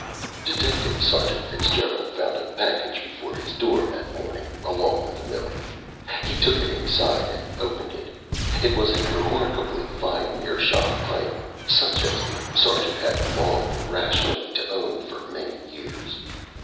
_ Detective Sergeant Fitzgerald found a package before his door that morning, along with the milk. He took it inside and opened it. It was a remarkably fine meerschaum pipe, such as the sergeant had longed irrationally to own for many years.